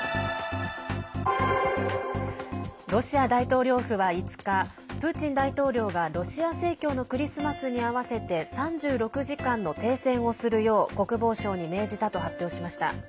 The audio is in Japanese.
ロシア大統領府は５日プーチン大統領がロシア正教のクリスマスに合わせて３６時間の停戦をするよう国防相に命じたと発表しました。